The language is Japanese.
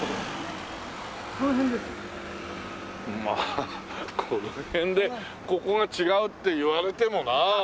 まあこの辺でここが違うって言われてもなあ。